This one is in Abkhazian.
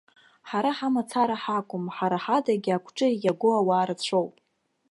Ҳара ҳамацара ҳакәым, ҳара ҳадагьы агәҿыӷь иаго ауаа рацәоуп.